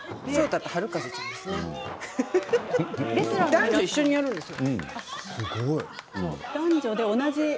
男女一緒にやるんですよ。